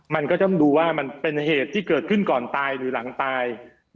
มันก็ต้องดูว่ามันเป็นเหตุที่เกิดขึ้นก่อนตายหรือหลังตาย